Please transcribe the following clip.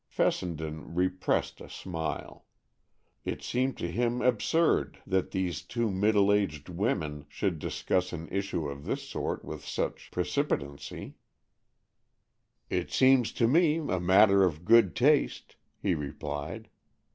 Fessenden repressed a smile. It seemed to him absurd that these two middle aged women should discuss an issue of this sort with such precipitancy. "It seems to me a matter of good taste," he replied.